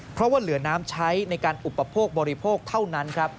เพราะว่าเหลือน้ำใช้ในการอุปโภคบริโภคเท่านั้นครับ